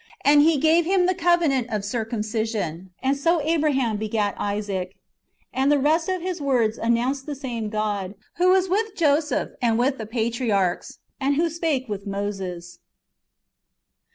And He gave him the covenant of circumcision : and so [Abraham] begat Isaac." ^ And the rest of his words announce the same God, who was with Joseph and with the patriarchs, and who spake with Moses.